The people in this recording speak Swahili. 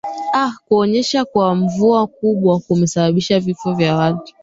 a kuonyesha kwa mvua kubwa kumesababisha vifo vya watu